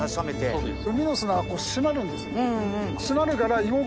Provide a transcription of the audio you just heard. そうです。